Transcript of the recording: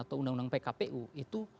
atau undang undang pkpu itu